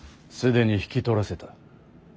既に引き取らせた。